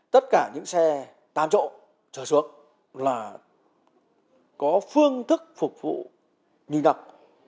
tất cả những xe tám chỗ trở xuống là có phương thức phục vụ nguyên lập